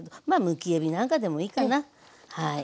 むきえびなんかでもいいかなはい。